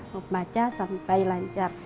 membaca sampai lancar